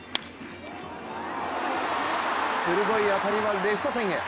鋭い当たりはレフト線へ。